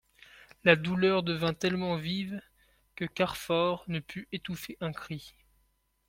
La douleur devint tellement vive que Carfor ne put étouffer un cri.